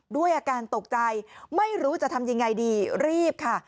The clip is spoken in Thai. ด้วยอาการตกใจไม่รู้จะทำยังไงดีรีบค่ะ